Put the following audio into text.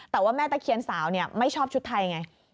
แต่ว่าแม่ตะเคียนสาวไม่ชอบชุดไทยไง